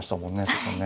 そこね。